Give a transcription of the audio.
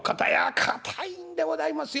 「堅いんでございますよ。